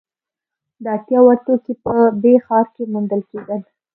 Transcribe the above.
د اړتیا وړ توکي په ب ښار کې موندل کیدل.